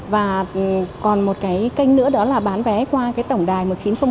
và còn một cái kênh nữa đó là bán vé qua tổng đài một triệu chín trăm linh nghìn một trăm linh chín